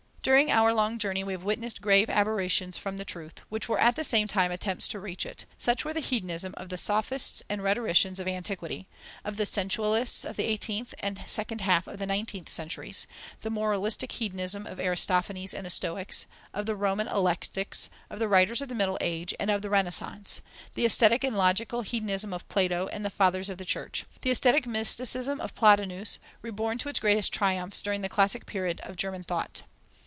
During our long journey, we have witnessed grave aberrations from the truth, which were at the same time attempts to reach it; such were the hedonism of the sophists and rhetoricians of antiquity, of the sensualists of the eighteenth and second half of the nineteenth centuries; the moralistic hedonism of Aristophanes and the Stoics, of the Roman eclectics, of the writers of the Middle Age and of the Renaissance; the ascetic and logical hedonism of Plato and the Fathers of the Church; the aesthetic mysticism of Plotinus, reborn to its greatest triumphs, during the classic period of German thought.